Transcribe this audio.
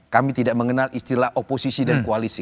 kami tidak mengenal istilah oposisi dan koalisi